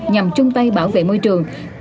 nhằm chung tay bảo vệ môi trường